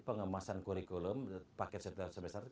pengemasan kurikulum paket semester